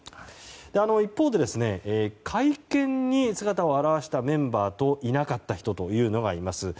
一方で、会見に姿を現したメンバーといなかった人というのがいます。